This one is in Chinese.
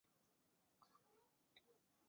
他是第十四任登丹人酋长所杀。